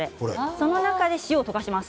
その中でお塩を溶かします。